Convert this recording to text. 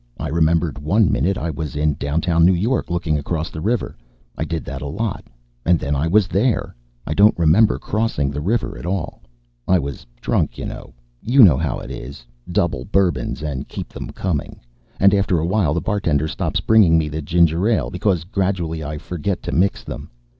I remembered one minute I was downtown New York, looking across the river. I did that a lot. And then I was there. I don't remember crossing the river at all. I was drunk, you know. You know how it is? Double bourbons and keep them coming. And after a while the bartender stops bringing me the ginger ale because gradually I forget to mix them.